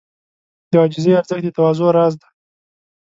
د عاجزۍ ارزښت د تواضع راز دی.